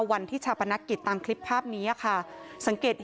วันที่จะประนักกิจตามคลิปภาพนี้อะค่ะสังเกตเห็น